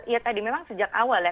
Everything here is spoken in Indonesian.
ya tadi memang sejak awal ya